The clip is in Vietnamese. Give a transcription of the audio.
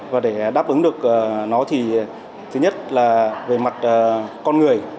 và để đáp ứng được nó thì thứ nhất là về mặt con người